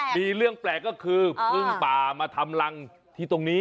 มีเรื่องแปลกก็คือพึ่งป่ามาทำรังที่ตรงนี้